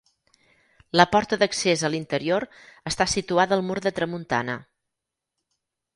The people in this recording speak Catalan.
La porta d'accés a l'interior està situada al mur de tramuntana.